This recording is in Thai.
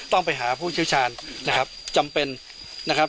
ต้องไปหาผู้เชี่ยวชาญนะครับจำเป็นนะครับ